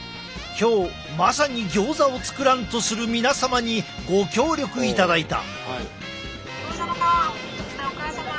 今日まさにギョーザを作らんとする皆様にご協力いただいた。